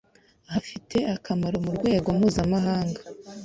hafite akamaro ku rwego mpuzamahanga